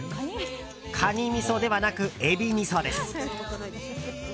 カニみそではなくエビみそです。